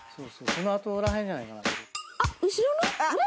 この後ら辺じゃないかな。